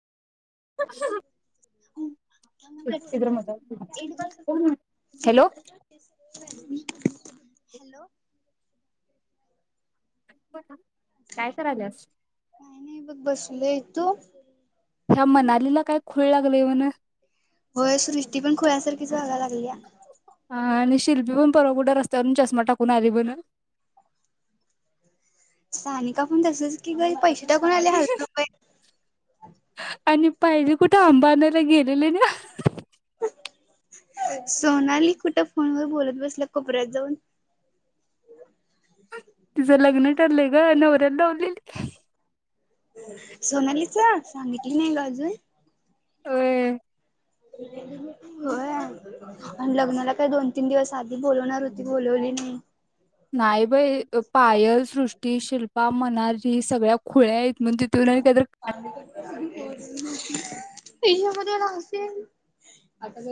Cut hello! Hello! काय कराल्यास? काय नायबघ बसलोय. तू? हया मनालीला काय खुळ लागलय म्हण. होय सृष्टी पण खुळ्यासारखी लागल्या. अ आणि शिल्पी पण परवा कुठं रस्त्यावरून चष्मा टाकून आली म्हनं. सानिका पण तसाच कीगय है पैसे टाकून आले हतुबय. आणि पाहिजे कुठे अंबानाला गेलेले नं, सोनाली कुठं फोनवर बोलत बसल्या कोपऱ्यात जाऊन. तिच लग्न ठरलंय ग नवऱ्याल धावलील. सोनालीच, सांगितली नाही गं अजून. होय हो... य आनं लग्नाला काय दोन तीन दिवस आधी बोलवणार होती, बोलवली नाही. नाही बाई, पायल, सृष्टी, शिल्पा, मनाली सगळ्या खुळ्या येत. म्हणते तू नाही काद्रक, हे मध्येला असेनं,